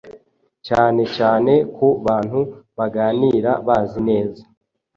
cyane cyane ku bantu baganira bazi neza